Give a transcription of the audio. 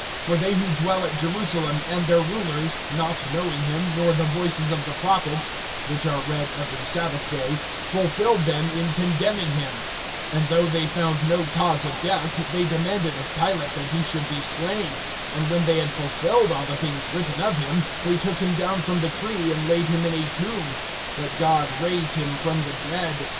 (27)For they who dwell at Jerusalem, and their rulers, not knowing him, nor the voices of the prophets which are read every sabbath day, fulfilled them in condemning him. (28)And though they found no cause of death, they demanded of Pilate that he should be slain. (29)And when they had fulfilled all the things written of him, they took him down from the tree, and laid him in a tomb. (30)But God raised him from the dead.